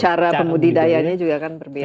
cara pembudidayanya juga kan berbeda